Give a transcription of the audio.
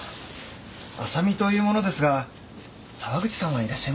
浅見という者ですが沢口さんはいらっしゃいますか？